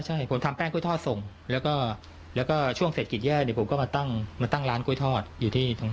ใช่ผมทำแป้งก๋วยทอดส่งแล้วก็ช่วงเสร็จกับกิจแย่ผมจะมาตั้งร้านก๋วยทอดอยู่ที่ตรงนั้น